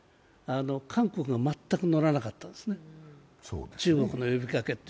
韓国が全く乗らなかったんですね、中国の呼びかけに。